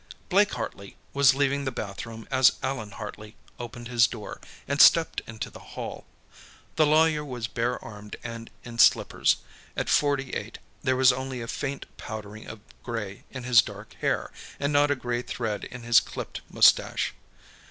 Blake Hartley was leaving the bathroom as Allan Hartley opened his door and stepped into the hall. The lawyer was bare armed and in slippers; at forty eight, there was only a faint powdering of gray in his dark hair, and not a gray thread in his clipped mustache.